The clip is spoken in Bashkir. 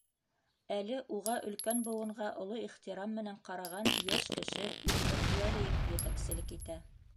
Әле уға өлкән быуынға оло ихтирам менән ҡараған йәш кеше — Илнур Вәлиев етәкселек итә.